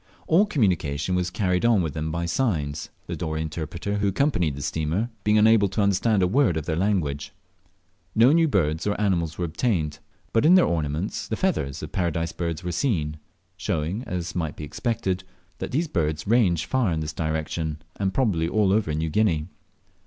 All communication was carried on with them by signs the Dorey interpreter, who accompanied the steamer, being unable to understand a word of their language. No new birds or animals were obtained, but in their ornaments the feathers of Paradise birds were seen, showing, as might be expected, that these birds range far in this direction, and probably all over New Guinea.